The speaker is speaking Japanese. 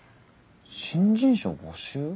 新人賞募集？